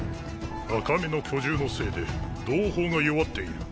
赤目の巨獣のせいで同胞が弱っている。